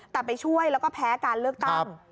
แต่ไปช่วยแล้วก็แพ้การเลือกตั้ง